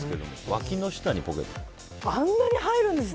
わきの下にポケット。